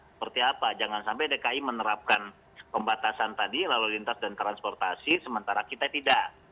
seperti apa jangan sampai dki menerapkan pembatasan tadi lalu lintas dan transportasi sementara kita tidak